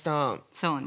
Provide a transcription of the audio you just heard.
そうね。